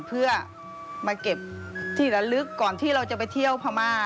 เพื่อมาเก็บที่ระลึกก่อนที่เราจะไปเที่ยวพม่า